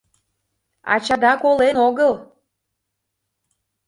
— Ачада колен огыл!